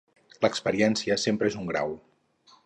L'experiència sempre és un grau.